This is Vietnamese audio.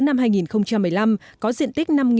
năm hai nghìn một mươi năm có diện tích năm mươi triệu đồng